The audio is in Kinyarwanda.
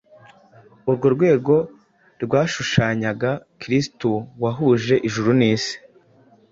Urwo rwego rwashushanyaga Kristo wahuje ijuru n’isi,